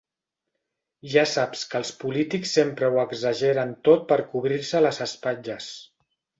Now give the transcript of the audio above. Ja saps que els polítics sempre ho exageren tot per cobrir-se les espatlles.